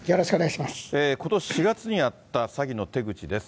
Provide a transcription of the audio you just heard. ことし４月にあった詐欺の手口です。